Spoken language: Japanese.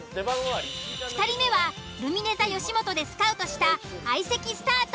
２人目はルミネｔｈｅよしもとでスカウトした相席スタート